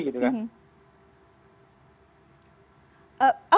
jadi kita harus berpikir apa yang akan kita lakukan